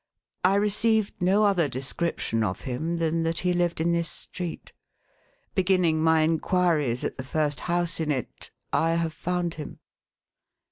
I received no other description of him, than that he lived 'in this street. Begin ning my inquiries at the first house in it, I have found him."